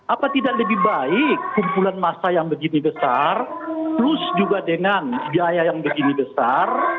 apa tidak lebih baik kumpulan massa yang begini besar plus juga dengan biaya yang begini besar